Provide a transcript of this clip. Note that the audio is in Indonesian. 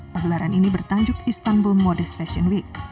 pegelaran ini bertanjuk istanbul modest fashion week